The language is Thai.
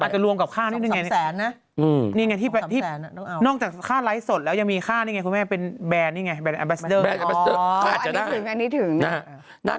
อาจจะรวมกับค่านี่ไงนี่ไงนอกจากค่าไลก์สดแล้วยังมีค่านี่ไงคุณแม่เป็นแบรนด์แอมบาสเดอร์อ๋ออันนี้ถึง